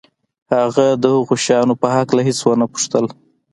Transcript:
هغه د هغو شیانو په هکله هېڅ ونه پوښتل